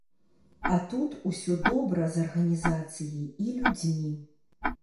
А тут усё добра з арганізацыяй і людзьмі.